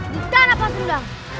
di tanah pasundang